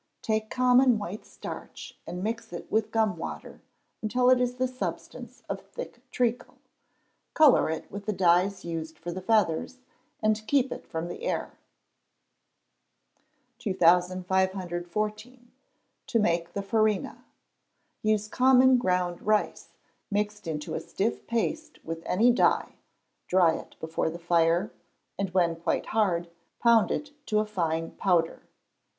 Take common white starch and mix it with gum water until it is the substance of thick treacle; colour it with the dyes used for the feathers, and keep it from the air. 2514. To make the Farina. Use common ground rice, mixed into a stiff paste with any dye; dry it before the fire, and when quite hard, pound it to a fine powder.